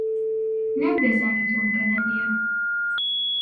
نەمدەزانی تۆم کەنەدییە.